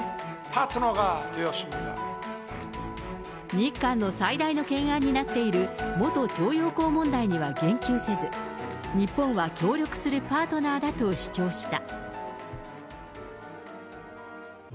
日韓の最大の懸案になっている、元徴用工問題には言及せず、日本は協力するパートナーだと主張した。